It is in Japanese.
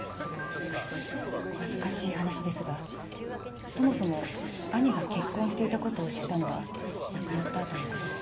お恥ずかしい話ですがそもそも兄が結婚していたことを知ったのは亡くなった後のことで。